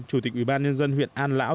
chủ tịch ủy ban nhân dân huyện an lão